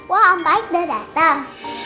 wah ambaik udah dateng